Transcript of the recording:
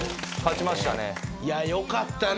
いやあよかったね！